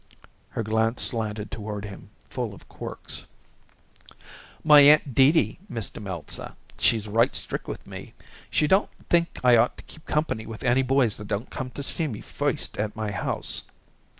Her glance slanted toward him, full of quirks. "My aunt Dee Dee, Mr. Meltzer, she's right strict with me. She don't think I ought to keep company with any boys that don't come to see me first at my house."